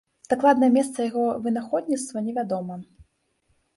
Дакладнае месца яго вынаходніцтва невядома.